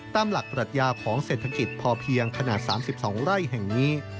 ตามหลักปรัชญาของเศรษฐกิจพอเพียงขนาด๓๒ไร่แห่งนี้